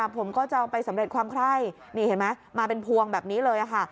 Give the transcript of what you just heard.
ผมก็จะเอาไปสำเร็จความไคร้นี่เห็นไหมมาเป็นพวงแบบนี้เลยค่ะ